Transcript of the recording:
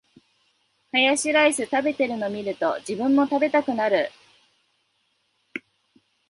ハヤシライス食べてるの見ると、自分も食べたくなる